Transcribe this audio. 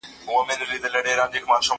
زه اوس انځورونه رسم کوم؟